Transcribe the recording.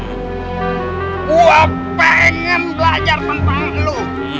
gua pengen belajar tentang lu